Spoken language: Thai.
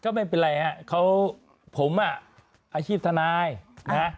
ก็ไม่เป็นไรฮะเขาผมอ่ะอาชีพทนายนะ